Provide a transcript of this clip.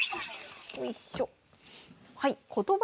よいしょ。